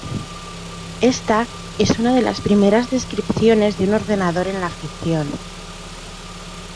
Ésta es una de las primeras descripciones de un ordenador en la ficción.